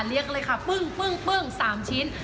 เรียกเลยค่ะปึ้ง๓ชิ้น